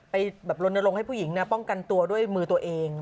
ไปลนลงให้ผู้หญิงป้องกันตัวด้วยมือตัวเอง